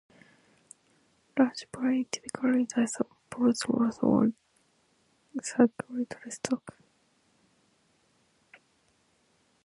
Large prey typically dies of blood loss or circulatory shock.